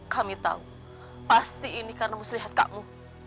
kami tahu pasti ini karena muslihat kamu